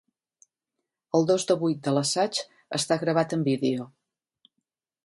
El dos de vuit de l'assaig està gravat en vídeo